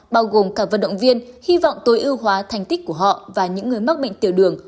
bao gồm cả vận động viên hy vọng tối ưu hóa thành tích của họ và những người mắc bệnh tiểu đường